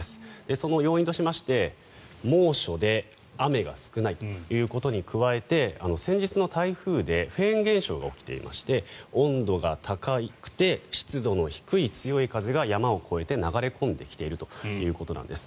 その要因としまして、猛暑で雨が少ないということに加えて先日の台風でフェーン現象が起きていまして温度が高くて湿度の低い強い風が山を越えて流れ込んできているということなんです。